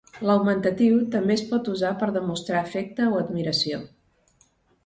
L'augmentatiu també es pot usar per a demostrar afecte o admiració.